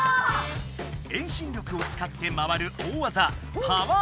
遠心力をつかって回る大技